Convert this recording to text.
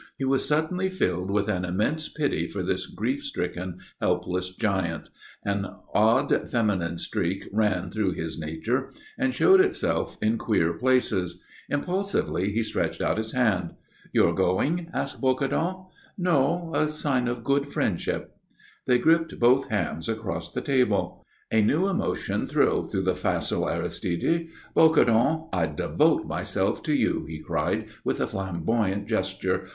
He was suddenly filled with an immense pity for this grief stricken, helpless giant. An odd feminine streak ran through his nature and showed itself in queer places. Impulsively he stretched out his hand. "You're going?" asked Bocardon. "No. A sign of good friendship." They gripped hands across the table. A new emotion thrilled through the facile Aristide. "Bocardon, I devote myself to you," he cried, with a flamboyant gesture.